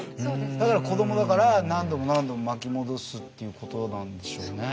だから子供だから何度も何度も巻き戻すっていうことなんでしょうね。